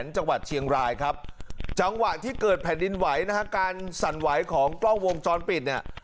จังหวะที่เกิดแผ่นดินไหวนะครับการสั่นไหวของกล้องวงจรปิดเนี่ย